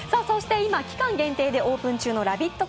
今、期間限定でオープン中のラヴィット！